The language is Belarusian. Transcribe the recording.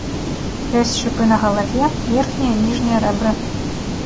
Ёсць шыпы на галаве, верхнія і ніжнія рэбры.